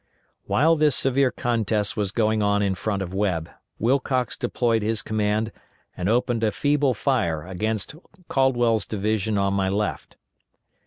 While this severe contest was going on in front of Webb, Wilcox deployed his command and opened a feeble fire against Caldwell's division on my left.